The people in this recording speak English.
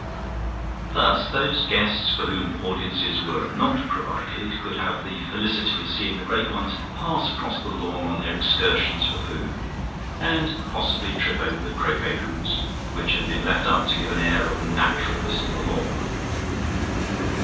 Thus those guests for whom audiences were not provided, could have the felicity of seeing the great ones pass across the lawn on their excursions for food, and possibly trip over the croquet hoops, which had been left up to give an air of naturalness to the lawn.